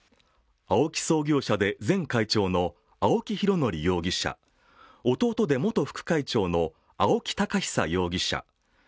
創業者で前会長の青木拡憲容疑者弟で元副会長の青木宝久容疑者